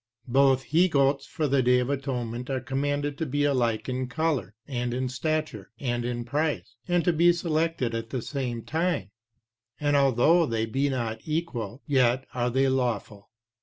1. Both he goats for the day of atonement are commanded to be alike in colour, and in stature, and in price, and to be selected at the same time, and although they be not equal, yet are they lawful.